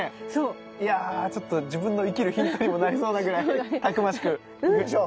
いやちょっと自分の生きるヒントにもなりそうなぐらいたくましく行きましょう。